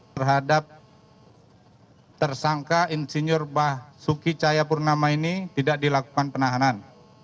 terhadap tersangka insinyur bah suki cayapurnama ini tidak dilakukan penahanan